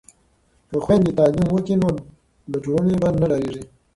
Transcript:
که خویندې تعلیم وکړي نو له ټولنې به نه ډاریږي.